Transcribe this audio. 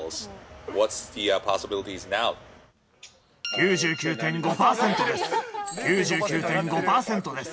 ９９．５％です。